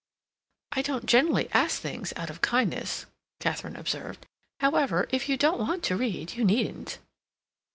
"I don't generally ask things out of kindness," Katharine observed; "however, if you don't want to read, you needn't."